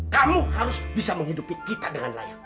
kamu harus bisa menghidupi kita dengan layak